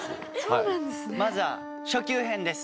まずは初級編です。